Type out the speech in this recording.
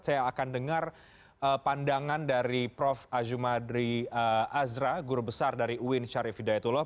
saya akan dengar pandangan dari prof azumadri azra guru besar dari uin syarif hidayatullah